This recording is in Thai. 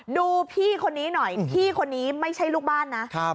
ดูพี่คนนี้หน่อยพี่คนนี้ไม่ใช่ลูกบ้านนะ